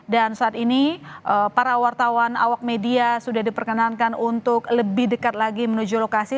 dan saat ini para wartawan awak media sudah diperkenankan untuk lebih dekat lagi menuju lokasi